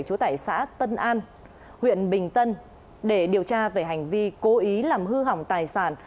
chú tải xã tân an huyện bình tân để điều tra về hành vi cố ý làm hư hỏng tài sản